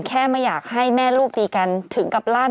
แค่ไม่อยากให้แม่ลูกดีกันถึงกับร่าน